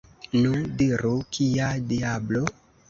Nu, diru, kia diablo?